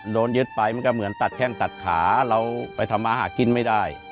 โดนยึดไปมันก็เหมือนตัดแข้งตัดขาเราไปทำมาหากินไม่ได้